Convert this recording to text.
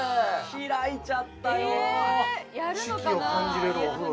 開いちゃったよ。